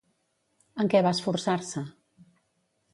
En què va esforçar-se?